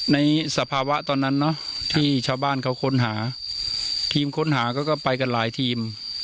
สภาวะตอนนั้นเนอะที่ชาวบ้านเขาค้นหาทีมค้นหาก็ไปกันหลายทีม